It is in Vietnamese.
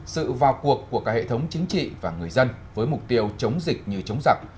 sự vào cuộc của cả hệ thống chính trị và người dân với mục tiêu chống dịch như chống giặc